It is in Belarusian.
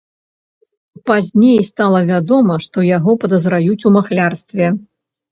Пазней стала вядома, што яго падазраюць у махлярстве.